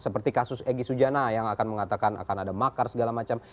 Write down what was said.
seperti kasus egy sujana yang akan mengatakan akan ada makar segala macam